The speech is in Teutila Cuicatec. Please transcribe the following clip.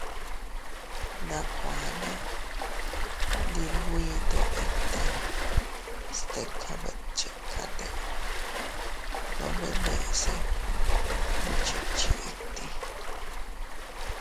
Nakuanne ndi nwito itta, stika betchikate, nome neʼese gnuchikchi itti.